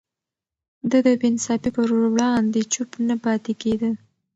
ده د بې انصافي پر وړاندې چوپ نه پاتې کېده.